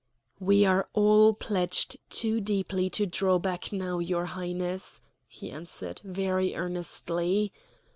"We are all pledged too deeply to draw back now, your Highness," he answered, very earnestly.